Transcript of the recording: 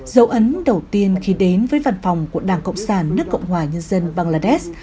dấu ấn đầu tiên khi đến với văn phòng của đảng cộng sản nước cộng hòa nhân dân bangladesh